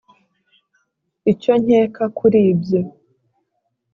Icyo nkeka kuli ibyo.